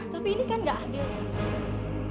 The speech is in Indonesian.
tapi ini kan gak adil ya